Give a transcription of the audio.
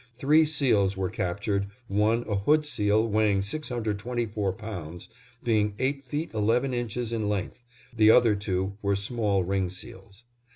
Three seals were captured, one a hood seal weighing 624 pounds, being eight feet eleven inches in length; the other two were small ring seals.